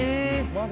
まだ。